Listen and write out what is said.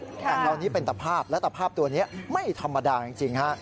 อ่างเล่านี้เป็นตะภาพแล้วตะภาพตัวนี้ไม่ธรรมดายังจริงฮะ